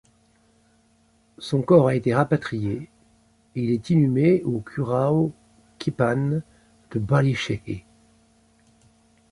Son corps a été rapatrié et il est inhumé au Curraghkippane de Ballysheehy.